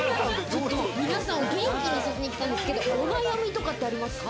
皆さんを元気にさせたいんですけれども、お悩みとかってありますか？